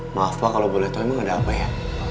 maaf pak kalo boleh tau emang ada apa ya